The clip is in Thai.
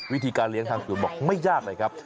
วิธีการเลี้ยงทางศูนย์บอกไม่ยากเลยครับ